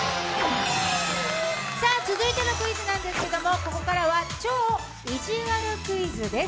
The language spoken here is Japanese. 続いてのクイズなんですけどもここからは超いじわるクイズです。